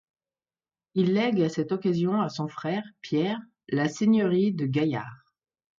Il lègue à cette occasion à son frère, Pierre, la seigneurie de Gaillard.